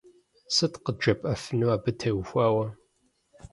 Сыт къыджепӀэфын абы теухуауэ?